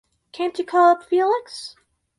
Can't you call up Felix?